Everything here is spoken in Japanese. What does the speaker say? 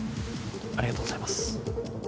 ありがとうございます。